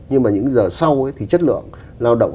nhưng mà những giờ sau thì chất lượng